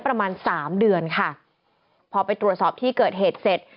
ประมาณสามเดือนค่ะพอไปตรวจสอบที่เกิดเหตุเสร็จ